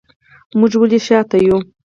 موږ ولې شاته یو؟